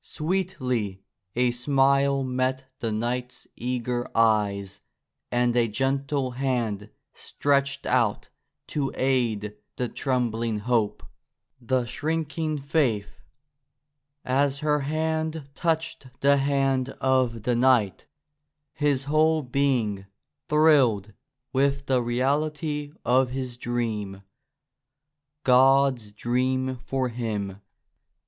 Sweetly a smile met the knight's eager eyes and a gentle hand stretched out to aid the trembling hope, the shrink 92 THE KNIGHT AND THE DREAM ing faith. As her hand touched the hand of the knight his whole being thrilled with the reality of his dream — God's dream for him.